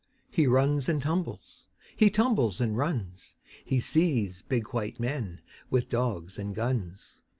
He runs and tumbles, he tumbles and runs. He sees big white men with dogs and guns.